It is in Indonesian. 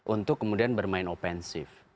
untuk kemudian bermain offensive